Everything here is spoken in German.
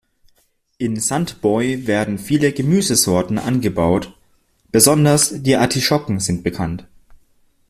In Sant Boi werden viele Gemüsesorten angebaut, besonders die Artischocken sind bekannt.